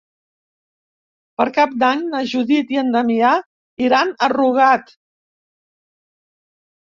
Per Cap d'Any na Judit i en Damià iran a Rugat.